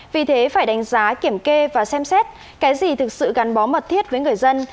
vì thế phải đánh giá kiểm kê và xem xét cái gì thực sự gắn bó mật thiết với người dân